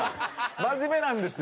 真面目なんですよ。